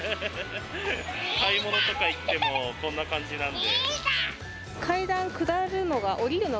買い物とか行ってもこんな感じなんで。